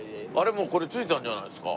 もうこれ着いたんじゃないですか？